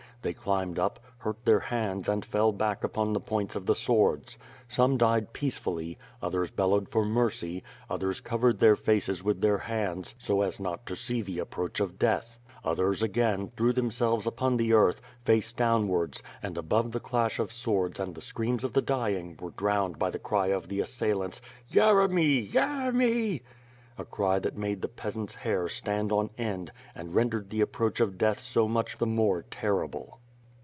They climbed up, hurt their hands and fell back upon the points of the swords. Some died peacefully; others bellowed for mercy; others covered their faces with their hands, so as not to see the approach of death; others, again, threw themselves upon the earth, face downwards; and above the clash of swords and the screams of the dying were drowned by the cry of the assailants "Yeremy! Yeremy!'' — a cry that made the peasants^ hair stand on end and rendered the approach of death so much the more ter rible.